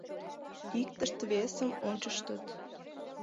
Иктышт-весым ончыштыт.